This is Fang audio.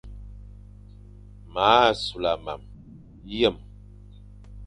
M a sula mam, biyem,